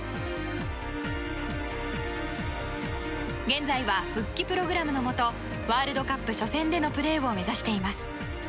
現在は復帰プログラムのもとワールドカップ初戦でのプレーを目指しています。